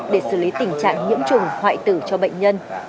để xử lý tình trạng nhiễm trùng hoại tử cho bệnh nhân